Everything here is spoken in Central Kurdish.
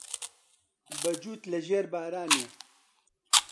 بە جووت لە ژێر بارانێ